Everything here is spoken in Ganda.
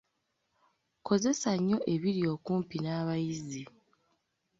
Kozesa nnyo ebiri okumpi n’abayizi.